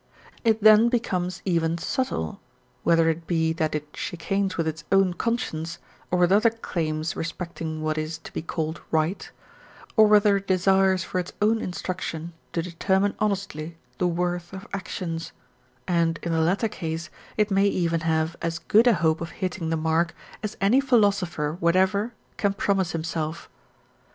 It then becomes even subtle, whether it be that it chicanes with its own conscience or with other claims respecting what is to be called right, or whether it desires for its own instruction to determine honestly the worth of actions; and, in the latter case, it may even have as good a hope of hitting the mark as any philosopher whatever can promise himself.